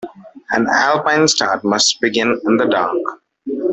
An "Alpine Start" must begin in the dark.